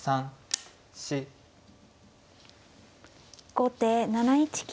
後手７一金。